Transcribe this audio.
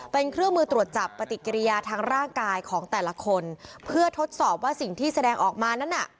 เป็นเครื่องมือตรวจจับปฏิกิริยาทางร่างกายของแต่ละคนเพื่อทดสอบว่าสิ่งที่แสดงออกมานั้นน่ะ